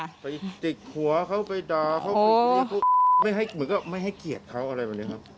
ไปจิกหัวเขาไปด่าเขาไม่ให้เหมือนกับไม่ให้เกียรติเขาอะไรแบบนี้ครับ